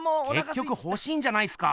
けっきょくほしいんじゃないっすか！